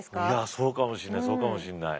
そうかもしんないそうかもしんない。